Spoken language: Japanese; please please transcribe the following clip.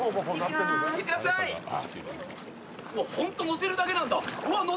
ホント乗せるだけなんだ。